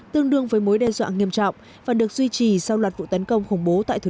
tương đương với mối đe dọa nghiêm trọng và được duy trì sau loạt vụ tấn công khủng bố tại thủ đô